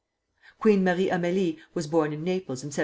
Queen Marie Amélie was born in Naples in 1782.